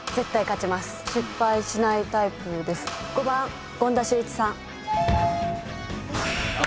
５番権田修一さん。